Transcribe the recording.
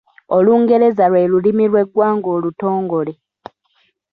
Olungereza lwe lulimi lw’eggwanga olutongole.